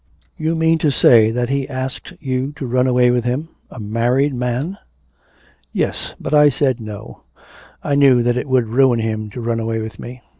'You mean to say that he asked you to run away with him a married man?' 'Yes; but I said no. I knew that it would ruin him to run away with me.